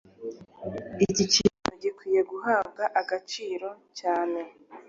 ari ikintu gikwiye guhabwa agaciro cyane